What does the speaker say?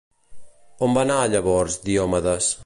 On va anar, llavors, Diòmedes?